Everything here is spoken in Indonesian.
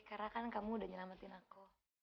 karena kan kamu udah nyelamatin aku